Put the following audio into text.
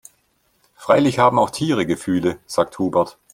Freilich haben auch Tiere Gefühle, sagt Hubert.